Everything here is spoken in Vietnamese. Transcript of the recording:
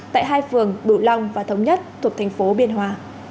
tại hai phường bửu long và thống nhất thuộc thành phố biên hòa